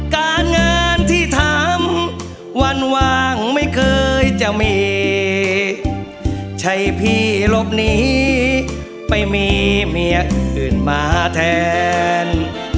การงานที่ทำวันวางไม่เคยจะมีใช่พี่หลบหนีไปมีเมียอื่นมาแทน